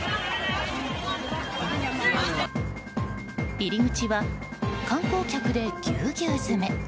入り口は観光客でぎゅうぎゅう詰め。